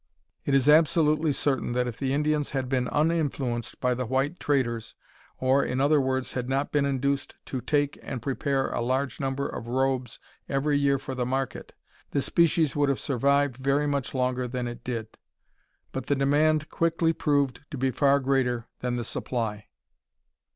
It is absolutely certain that if the Indians had been uninfluenced by the white traders, or, in other words, had not been induced to take and prepare a large number of robes every year for the market, the species would have survived very much longer than it did. But the demand quickly proved to be far greater than the supply.